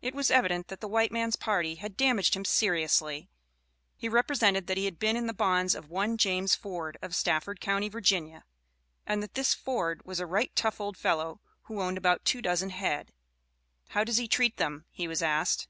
It was evident, that the "white man's party" had damaged him seriously. He represented that he had been in the bonds of one James Ford, of Stafford county, Virginia, and that this "Ford was a right tough old fellow, who owned about two dozen head." "How does he treat them?" he was asked.